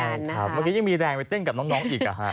ใช่ครับเมื่อกี้ยังมีแรงไปเต้นกับน้องน้องอีกอ่ะ